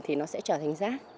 thì nó sẽ trở thành rác